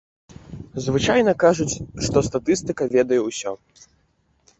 Звычайна кажуць, што статыстыка ведае ўсё.